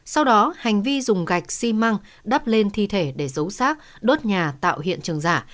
sau đó hành vi dùng gạch xi măng đắp lên thi thể để giấu sát đốt nhà tạo hiện trường giả